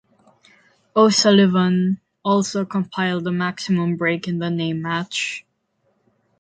O'Sullivan also compiled a maximum break in the same match.